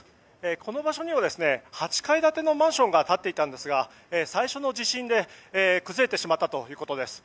この場所には８階建てのマンションが立っていたんですが最初の地震で崩れてしまったということです。